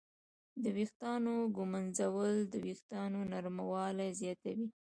د ویښتانو ږمنځول د وېښتانو نرموالی زیاتوي.